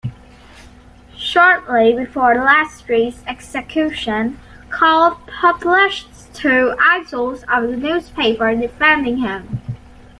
Shortly before Leschi's execution, Kautz published two issues of a newspaper defending him.